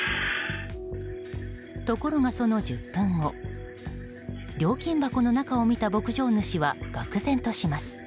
ところがその１０分後料金箱の中を見た牧場主はがくぜんとします。